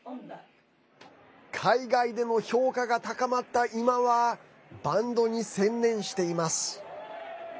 海外でも評価が高まった今はバンドに専念しています。